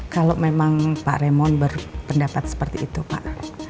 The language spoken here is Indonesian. kalau memang pak remon berpendapat seperti itu pak